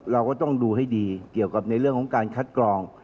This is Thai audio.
เราก็ต้องดูให้ดีเกี่ยวกับในเรื่องของการคัดกรอง